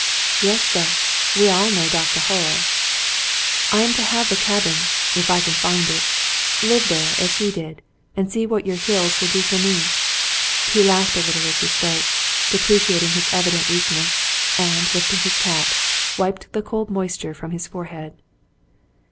"Yes, suh, we all know Doctah Hoyle." "I am to have the cabin — if I can find it — live there as he did, and see what your hills will do for me." He laughed a little as he spoke, deprecating his evident weak ness, and, lifting his cap, wiped the cold moisture from his forehead.